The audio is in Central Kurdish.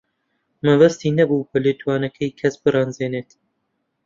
مەبەستی نەبوو بە لێدوانەکەی کەس بڕەنجێنێت.